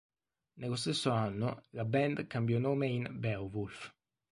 Nello stesso anno la band cambiò nome in "Beowulf".